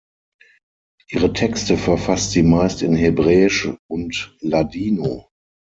Ihre Texte verfasst sie meist in Hebräisch und Ladino.